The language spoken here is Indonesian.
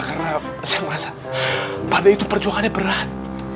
karena saya merasa pade itu perjuangannya berat